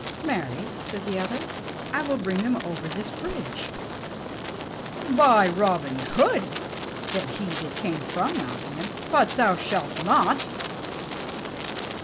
"Marry," said the other, "I will bring them over this bridge." "By Robin Hood," said he that came from Nottingham, "but thou shalt not."